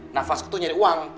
nafasku tuh nyari uang